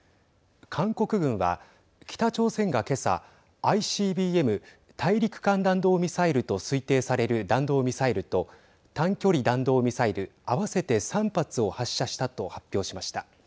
韓国軍は北朝鮮が、けさＩＣＢＭ＝大陸間弾道ミサイルと推定される弾道ミサイルと短距離弾道ミサイル合わせて３発を発射したと発表しました。